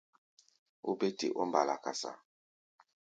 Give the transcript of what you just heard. Ó bé te ɔ́ mbala-kasa.